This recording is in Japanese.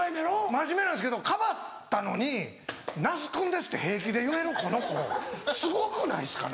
真面目なんですけどかばったのに「那須君です」って平気で言えるこの子すごくないですか？